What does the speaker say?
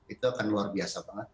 itu akan luar biasa banget